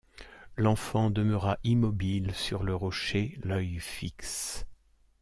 L’enfant demeura immobile sur le rocher, l’œil fixe.